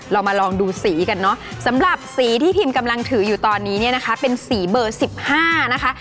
เรามาลองดูสีกันเนอะสำหรับสีที่พิมกำลังถืออยู่ตอนนี้เนี่ยนะคะเป็นสีเบอร์๑๕นะคะ